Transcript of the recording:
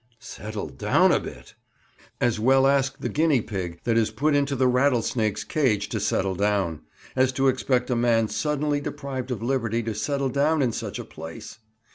"Settled down a bit!" As well ask the guinea pig that is put into the rattlesnake's cage to settle down, as to expect a man suddenly deprived of liberty to settle down in such a place.